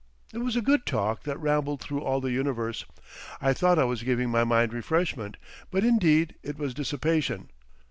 It was a good talk that rambled through all the universe. I thought I was giving my mind refreshment, but indeed it was dissipation.